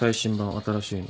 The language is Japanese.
新しいの。